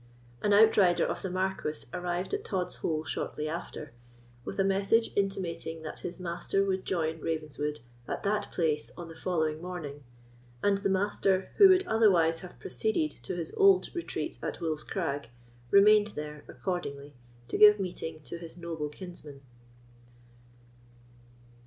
An outrider of the Marquis arrived at Tod's Hole shortly after, with a message, intimating that his master would join Ravenswood at that place on the following morning; and the Master, who would otherwise have proceeded to his old retreat at Wolf's Crag, remained there accordingly to give meeting to his noble kinsman.